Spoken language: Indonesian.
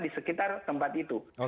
di sekitar tempat itu